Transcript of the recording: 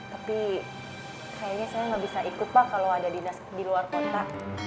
tapi kayaknya saya nggak bisa ikut pak kalau ada dinas di luar kota